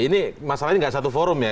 ini masalahnya tidak satu forum ya